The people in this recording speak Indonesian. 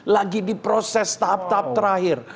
lagi di proses tahap tahap terakhir